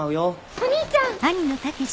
お兄ちゃん！